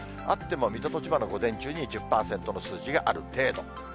あっても水戸と千葉の午前中に１０％の数字がある程度。